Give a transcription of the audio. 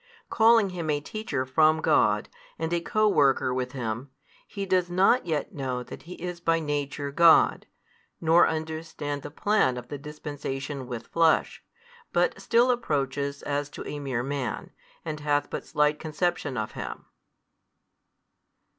Calling him a Teacher from God, and a co worker with Him, he does not yet know that He is by Nature God, nor understand the plan of the dispensation with Flesh, but still approaches as to a mere man, and hath but slight conception of Him.